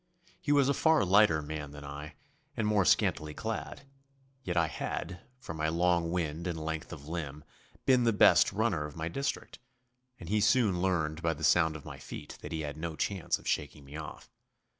He was a far lighter man than I, and more scantily clad, yet I had, from my long wind and length of limb, been the best runner of my district, and he soon learned by the sound of my feet that he had no chance of shaking me off.